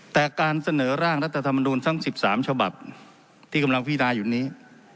แต่การเสนอร่างรัฐธรรมนุนทั้งสิบสามฉบับที่กำลังพินายุทธนีย์